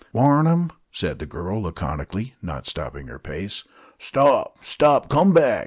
"Warn 'em!" said the girl, laconically, not stopping her pace. "Stop! stop! Come back!"